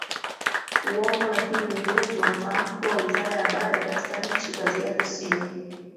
uongo Lakini wengi wetu wanafahamu kuwa wizara ya habari katika nchi kazi yake siyo